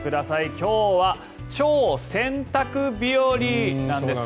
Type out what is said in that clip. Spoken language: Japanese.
今日は超洗濯日和なんです。